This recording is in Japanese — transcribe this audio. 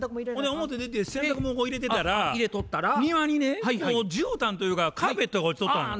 表出て洗濯物こう入れてたら庭にねじゅうたんというかカーペットが落ちとったんよ。